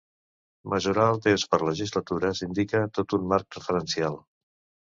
Mesurar el temps per legislatures indica tot un marc referencial.